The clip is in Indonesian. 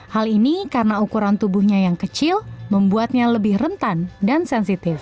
hal ini karena ukuran tubuhnya yang kecil membuatnya lebih rentan dan sensitif